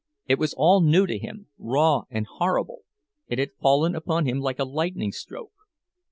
It was all new to him, raw and horrible—it had fallen upon him like a lightning stroke.